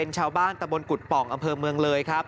ชาวบ้านตะบนกุฎป่องอำเภอเมืองเลยครับ